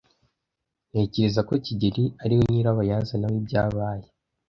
Ntekereza ko kigeli ariwe nyirabayazana w'ibyabaye.